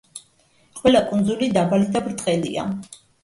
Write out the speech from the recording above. ყველა კუნძული დაბალი და ბრტყელია.